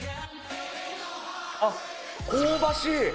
あっ、香ばしい。